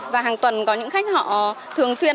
và hàng tuần có những khách họ thường xuyên